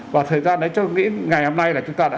và thời gian đấy tôi nghĩ ngày hôm nay là chúng ta đã